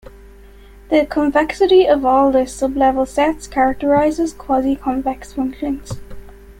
The convexity of all the sublevel sets characterizes quasiconvex functions.